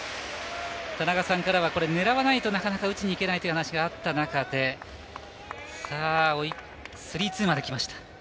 田中さんからはなかなか、ねらわないと打ちにいけないという話があった中でスリーツーまできました。